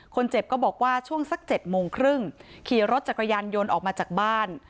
ก็บอกว่าช่วงสัก๗โมงครึ่งขี่รถจักรยานยนต์ออกมาจากบ้าน